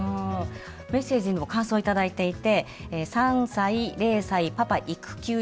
メッセージにも感想頂いていて３歳０歳パパ育休中さん